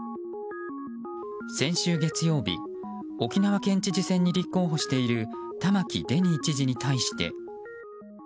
先週月曜日、沖縄県知事選に立候補している玉城デニー知事に対して。